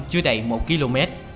chưa đầy một km